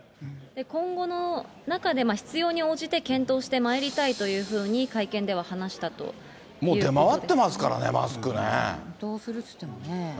今後の中で、必要に応じて検討してまいりたいというふうに会見では話したといもう出回ってますからね、マそうするっていってもね。